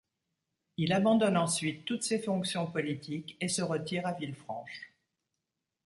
Il abandonne ensuite toutes ses fonctions politiques et se retire à Villefranche.